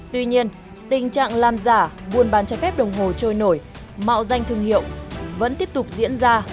tuy nhiên tình trạng làm giả buôn bán trái phép đồng hồ trôi nổi mạo danh thương hiệu vẫn tiếp tục diễn ra